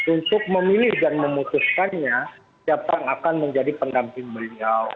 untuk memilih dan memutuskannya siapa yang akan menjadi pendamping beliau